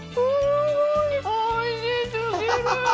おいしすぎるよ！